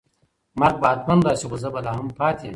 مرګ به حتماً راشي خو زه به لا هم پاتې یم.